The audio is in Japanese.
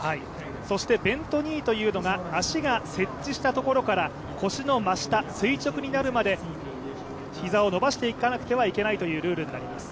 そしてベント・ニーというのが足が接地したところから腰の真下、垂直になるまで膝を伸ばしていかなくてはいけないというルールになります。